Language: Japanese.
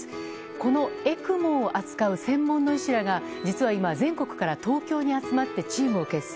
このＥＣＭＯを扱う専門の医師らが実は今、全国から東京に集まってチームを結成。